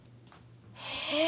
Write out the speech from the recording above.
へえ！